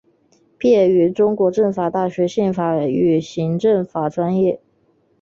毕业于中国政法大学宪法与行政法专业。